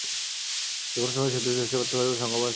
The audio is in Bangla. যেকোনো সময় সেতুটি ধসে পড়তে পারে বলে শঙ্কা প্রকাশ করেন তিনি।